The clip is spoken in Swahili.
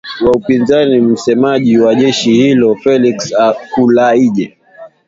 wa upinzani msemaji wa jeshi hilo felix kulaije